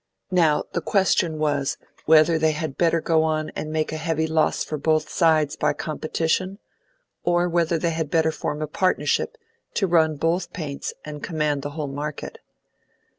Now, the question was whether they had better go on and make a heavy loss for both sides by competition, or whether they had better form a partnership to run both paints and command the whole market.